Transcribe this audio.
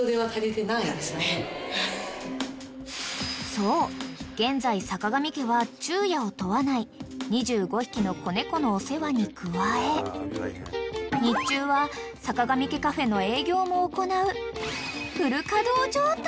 ［そう現在さかがみ家は昼夜を問わない２５匹の子猫のお世話に加え日中はさかがみ家カフェの営業も行うフル稼働状態］